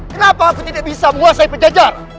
kenapa aku tidak bisa menguasai pajajaran